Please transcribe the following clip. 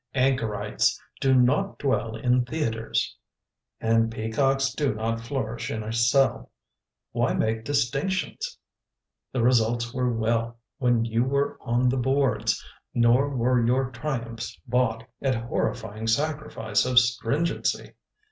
"Anchorites do not dwell in theatres"; and peacocks do not flourish in a cell. Why make distinctionsP The results were well When you were on the boards; nor were your triumphs bought At horrifying sacrifice of stringency.